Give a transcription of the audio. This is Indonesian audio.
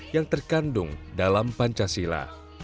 yang terkandung dalam pancasila